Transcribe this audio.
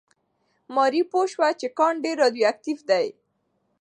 ماري پوه شوه چې کان ډېر راډیواکټیف دی.